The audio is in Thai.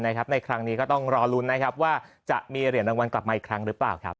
ในครั้งนี้ก็ต้องรอลุ้นนะครับว่าจะมีเหรียญรางวัลกลับมาอีกครั้งหรือเปล่าครับ